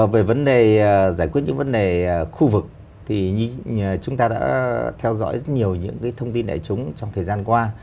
về vấn đề giải quyết những vấn đề khu vực thì chúng ta đã theo dõi rất nhiều những thông tin đại chúng trong thời gian qua